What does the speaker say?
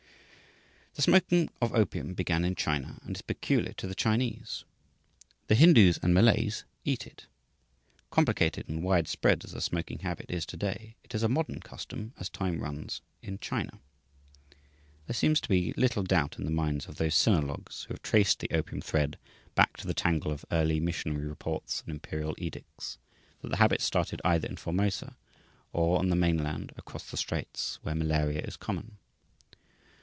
The smoking of opium began in China and is peculiar to the Chinese. The Hindoos and Malays eat it. Complicated and wide spread as the smoking habit is to day, it is a modern custom as time runs in China. There seems to be little doubt in the minds of those Sinologues who have traced the opium thread back to the tangle of early missionary reports and imperial edicts, that the habit started either in Formosa or on the mainland across the Straits, where malaria is common.